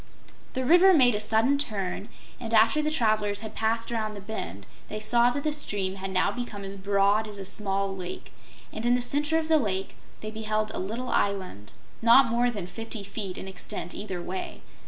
The river made a sudden turn, and after the travelers had passed around the bend, they saw that the stream had now become as broad as a small lake, and in the center of the Lake they beheld a little island, not more than fifty feet in extent, either way.